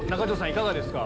いかがですか？